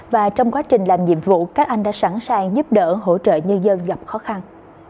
và trong quá trình làm nhiệm vụ các anh đã sẵn sàng giúp đỡ hỗ trợ nhân dân gặp khó khăn